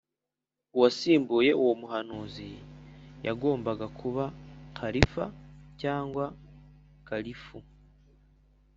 uwasimbuye uwo muhanuzi yagombaga kuba khalīfah cyangwa kalifu